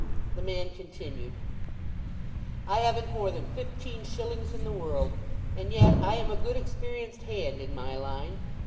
The man continued— "I haven't more than fifteen shillings in the world, and yet I am a good experienced hand in my line.